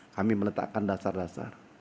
kami meletakkan dasar dasar